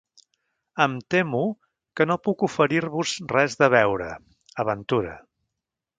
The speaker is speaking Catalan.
Em temo que no puc oferir-vos res de beure, aventura.